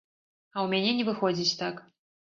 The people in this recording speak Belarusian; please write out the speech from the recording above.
А ў мяне не выходзіць так.